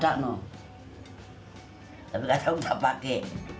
tapi nggak tahu nggak pakai